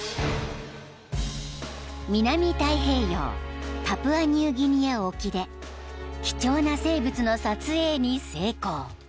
［南太平洋パプアニューギニア沖で貴重な生物の撮影に成功。